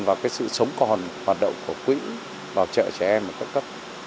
vào sự sống còn hoạt động của quỹ bào trợ trẻ em ở cấp cấp